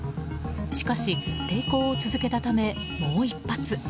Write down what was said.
しかし、抵抗を続けたためもう１発。